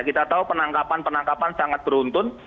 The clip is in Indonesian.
kita tahu penangkapan penangkapan sangat beruntun